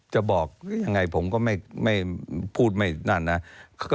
จะบอกยังไงผมก็ไม่พูดไม่นั่นนะ